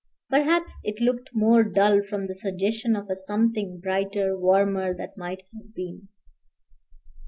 Perhaps it looked more dull from the suggestion of a something brighter, warmer, that might have been.